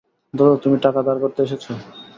দাদা, তুমি টাকা ধার করতে এসেছ?